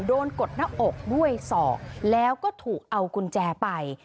กดหน้าอกด้วยศอกแล้วก็ถูกเอากุญแจไป